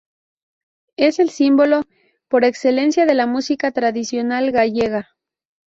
Es el símbolo por excelencia de la música tradicional gallega.